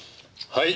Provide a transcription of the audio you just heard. はい。